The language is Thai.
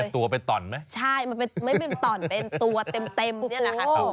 ตัวเป็นต่อนไหมใช่มันไม่เป็นต่อนเต็มตัวเต็มนี่แหละค่ะ